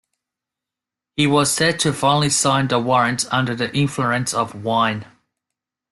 He was said to finally sign the warrants under the influence of wine.